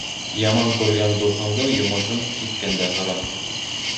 Яман күргән дуҫыңдың йомошон киткәндә һора.